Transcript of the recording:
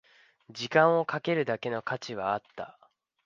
時間をかけるだけの価値はあった